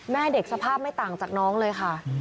แม่เด็กสภาพไม่ต่างจากน้องเลยค่ะ